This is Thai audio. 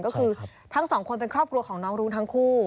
ก็คือทั้งสองคนเป็นครอบครัวของน้องรุ้งทั้งคู่